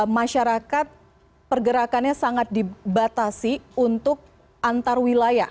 masyarakat pergerakannya sangat dibatasi untuk antar wilayah